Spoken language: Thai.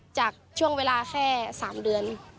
จากช่วงเวลาแค่๓เดือน